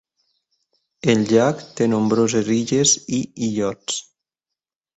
El llac té nombroses illes i illots.